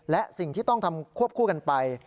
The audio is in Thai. และสิ่งที่ต้องทำควบคู่กันไป